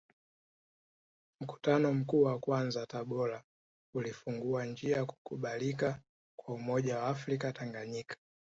Mkutano Mkuu wa kwanza Tabora ulifungua njia kukubalika kwa umoja wa afrika Tanganyika